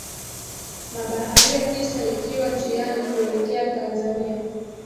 mabaharia tisa ikiwa njiani kuelekea tanzania